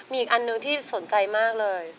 มีอีกอันหนึ่งที่สนใจมากเลย